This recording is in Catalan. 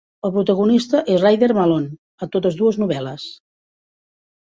El protagonista és Ryder Malone a totes dues novel·les.